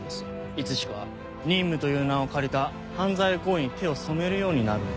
いつしか任務という名を借りた犯罪行為に手を染めるようになるんです。